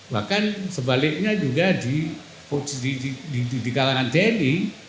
bahkan sebaliknya juga di kalangan tni